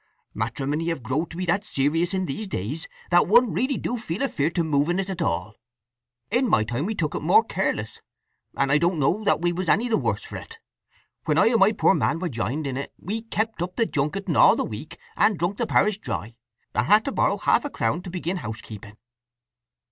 Matrimony have growed to be that serious in these days that one really do feel afeard to move in it at all. In my time we took it more careless; and I don't know that we was any the worse for it! When I and my poor man were jined in it we kept up the junketing all the week, and drunk the parish dry, and had to borrow half a crown to begin housekeeping!"